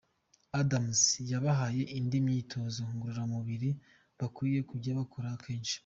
Adams yabahaye indi myitozo ngororamubiri bakwiye kujya bakora kenshi.